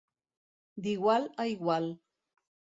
D'igual a igual.